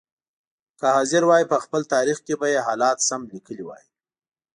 که حاضر وای په خپل تاریخ کې به یې حالات سم لیکلي وای.